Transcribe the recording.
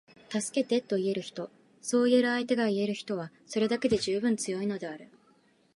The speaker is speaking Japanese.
「助けて」と言える人，そう言える相手がいる人は，それだけで十分強いのである．